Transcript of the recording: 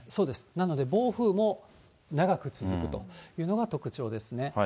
なので暴風も長く続くというのが特徴ですね。